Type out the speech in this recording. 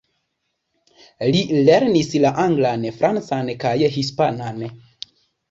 Li lernis la anglan, francan kaj hispanan.